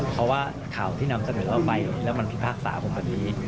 เพราะว่าข่าวที่นำเสนอออกไปแล้วมันพิพากษาผมวันนี้